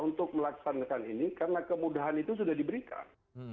untuk melaksanakan ini karena kemudahan itu sudah diberikan